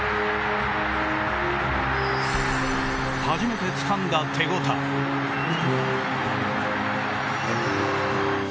初めてつかんだ手応え。